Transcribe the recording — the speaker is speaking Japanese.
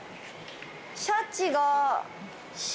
シャチが。